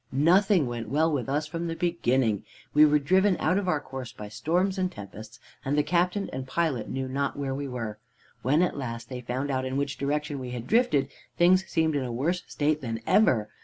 "Nothing went well with us from the beginning. We were driven out of our course by storms and tempests, and the captain and pilot knew not where we were. When at last they found out in which direction we had drifted, things seemed in a worse state than ever.